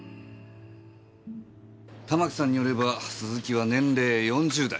たまきさんによれば鈴木は年齢４０代。